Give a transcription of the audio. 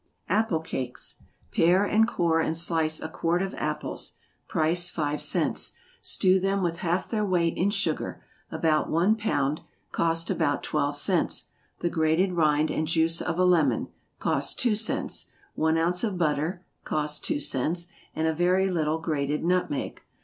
=Apple Cakes.= Pare, core, and slice a quart of apples, (price five cents,) stew them with half their weight in sugar, (about one pound, cost about twelve cents,) the grated rind and juice of a lemon, (cost two cents,) one ounce of batter, (cost two cents,) and a very little grated nutmeg.